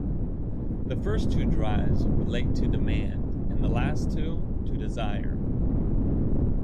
The first two drives relate to demand and the last two to desire.